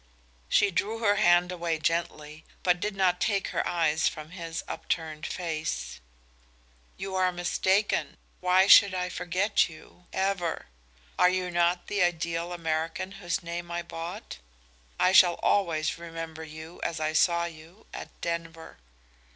She drew her hand away gently, but did not take her eyes from his upturned face. "You are mistaken. Why should I forget you ever? Are you not the ideal American whose name I bought? I shall always remember you as I saw you at Denver."